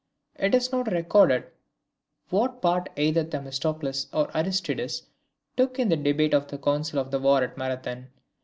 It is not recorded what part either Themistocles or Aristides took in the debate of the council of war at Marathon.